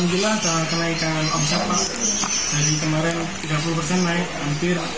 baik hampir sampai tujuh puluh lima